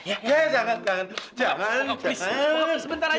ya jangan jangan